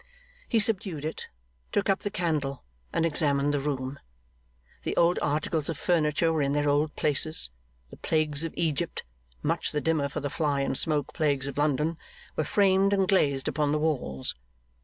He subdued it, took up the candle, and examined the room. The old articles of furniture were in their old places; the Plagues of Egypt, much the dimmer for the fly and smoke plagues of London, were framed and glazed upon the walls.